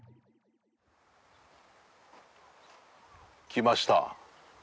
来ました。